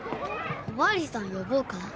おまわりさん呼ぼうか？